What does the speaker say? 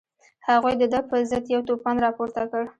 هغوی د ده په ضد یو توپان راپورته کړ.